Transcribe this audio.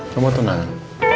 kamu mau tunangan